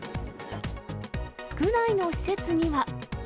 区内の施設には。